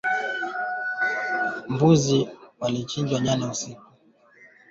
Kifaa kipya cha kudhibiti ubora wa hewa nchini humo kimefadhiliwa kwa kiasi na kampuni ya